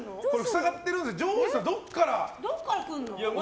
塞がってるんでジョージさん、どこから。